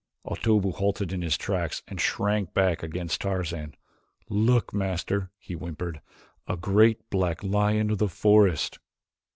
Otobu halted in his tracks and shrank back against Tarzan. "Look, Master," he whimpered, "a great black lion of the forest!"